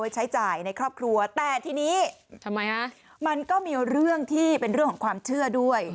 ใช้จ่ายในครอบครัวแต่ทีนี้ทำไมฮะมันก็มีเรื่องที่เป็นเรื่องของความเชื่อด้วย